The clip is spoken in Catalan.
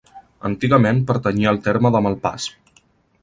Antigament pertanyia al terme de Malpàs.